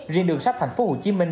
riêng đường sách thành phố hồ chí minh